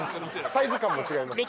サイズ感も違います